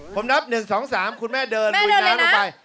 ผมนับ๑๒๓คุณแม่เดินลุยน้ำลงไป